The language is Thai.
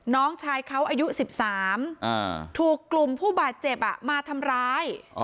น้องชายเขาอายุ๑๓ถูกกลุ่มผู้บาดเจ็บมาทำร้าย